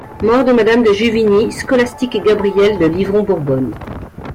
Mort de Madame de Juvigny, Scholastique-Gabrielle de Livron-Bourbonne.